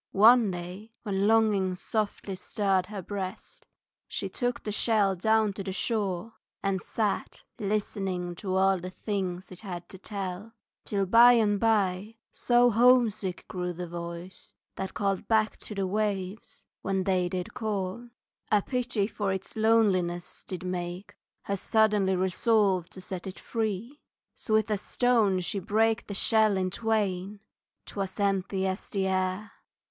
One day, when longings softly stirred her breast, She took the shell down to the shore and sat Listening to all the things it had to tell, Till, by and by, so homesick grew the voice That called back to the waves when they did call, A pity for its loneliness did make Her suddenly resolve to set it free, So with a stone she brake the shell in twain, _'Twas empty as the air.